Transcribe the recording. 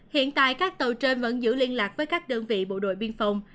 hiện tại các tàu trên vẫn giữ liên lạc với các đơn vị bộ đội biên phòng